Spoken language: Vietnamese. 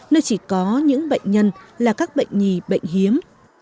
nơi chỉ có những bệnh nhân là các bệnh nhi bệnh hiếm